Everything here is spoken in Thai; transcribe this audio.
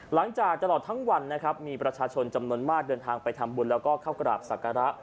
หลังจากตลอดทั้งวันนะครับมีประชาชนจำนวนมากเดินทางไปทำบุญแล้วก็เข้ากราบศักระ